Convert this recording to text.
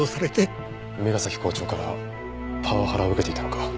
梅ヶ崎校長からパワハラを受けていたのか。